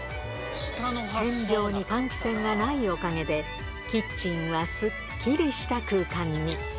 天井に換気扇がないおかげで、キッチンはすっきりした空間に。